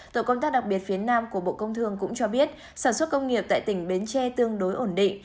tổ công tác đặc biệt phía nam của bộ công thương cũng cho biết sản xuất công nghiệp tại tỉnh bến tre tương đối ổn định